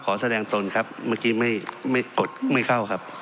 แสดงตนครับเมื่อกี้ไม่อดไม่เข้าครับ